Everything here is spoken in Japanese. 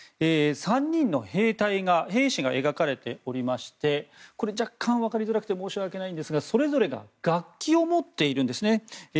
３人の兵士が描かれておりましてこれ、若干分かりづらくて申し訳ないんですがそれぞれが楽器を持っているんですね。